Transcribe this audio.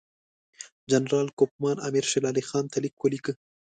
جنرال کوفمان امیر شېر علي خان ته لیک ولیکه.